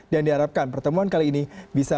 saya harapkan pertemuan kali ini bisa